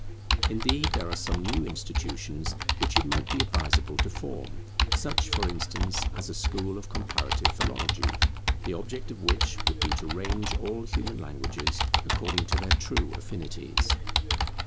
Indeed there are some new institutions which it might be advisable to form; such, for instance, as a School of Comparative Philology, the object of which would be to range all human languages according to their true affinities.